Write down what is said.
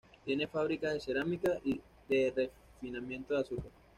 Tiene fábricas de cerámica y de refinamiento de azúcar.